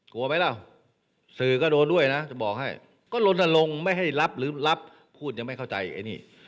กลัวไหมล่ะสื่อก็โดนด้วยนะจะบอกให้ก็ลนลงไม่ให้รับหรือรับพูดยังไม่เข้าใจไอ้นี่